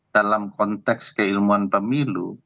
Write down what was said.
dalam konteks keilmuan pemilu